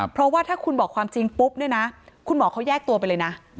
เพราะว่าถ้าคุณบอกความจริงปุ๊บเนี่ยนะคุณหมอเขาแยกตัวไปเลยนะ